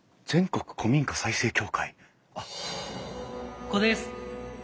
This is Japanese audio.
ここです。